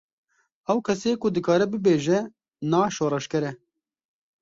Ew kesê ku dikare bibêje na şoreşger e.